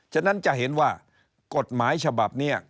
ฉะนั้นจะเห็นว่ากฎหมายฉบับนี้